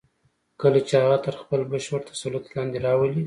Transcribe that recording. کله چې هغه تر خپل بشپړ تسلط لاندې راولئ.